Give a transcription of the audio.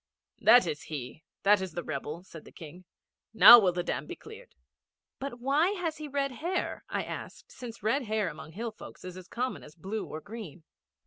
'That is he. That is the rebel,' said the King. 'Now will the dam be cleared.' 'But why has he red hair?' I asked, since red hair among hill folks is as common as blue or green.